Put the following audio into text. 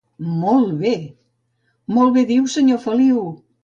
—Molt bé! —Molt bé diu, senyor Feliu!